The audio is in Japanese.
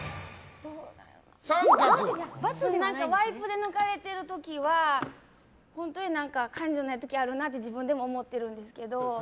ワイプで抜かれてる時は本当に感情ない時あるなと自分でも思ってるんですけど。